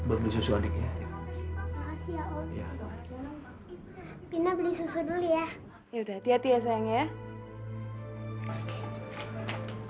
pindah beli susu dulu ya ya udah tiap tiap sayangnya